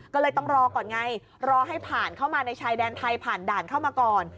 ก็เลยต้องรอก่อนไงรอให้ผ่านเข้ามาในชายแดนไทยผ่านด่านเข้ามาก่อน